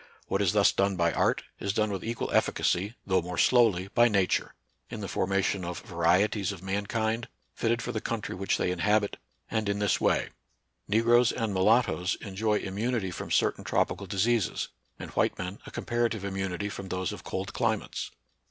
What is thus done by art is done with equal NATURAL SCIENCE AND RELIGION. 45 • efficacy, though more slowly, by Nature, in the formation of varieties of mankind, fitted for the country which they inhabit, and in this way : Negroes and mulattoes enjoy immunity from certain tropical diseases, and white men a comparative immunity from those of cold cli mates.